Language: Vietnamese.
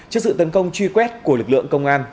trước sự tấn công truy quét của lực lượng công an